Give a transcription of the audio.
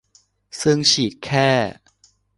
ซึ่งฉีดแค่